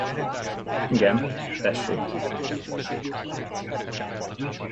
Igen, tessék.